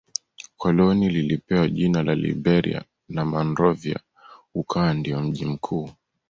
Koloni lilipewa jina la Liberia na Monrovia ukawa ndio mji mkuu